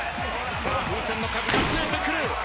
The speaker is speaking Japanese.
さあ風船の数が増えてくる。